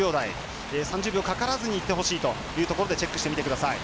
３０秒かからずにいってほしいというところでチェックしてみてください。